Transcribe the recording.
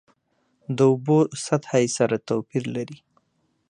د اوبو سطحه یې سره توپیر لري.